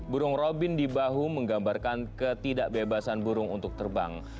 burung robin di bahu menggambarkan ketidakbebasan burung untuk terbang